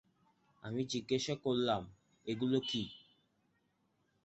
আমি জিজ্ঞাসা করলাম এগুলো কী?